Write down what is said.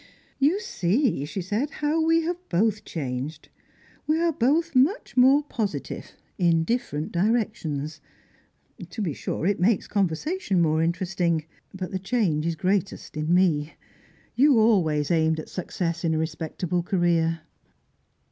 "You see," she said, "how we have both changed. We are both much more positive, in different directions. To be sure, it makes conversation more interesting. But the change is greatest in me. You always aimed at success in a respectable career."